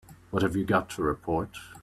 What have you got to report?